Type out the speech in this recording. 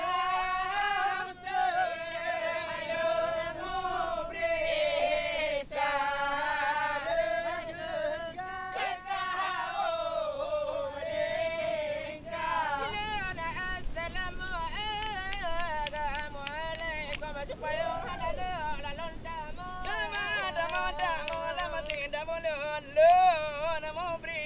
assalamualaikum warahmatullahi wabarakatuh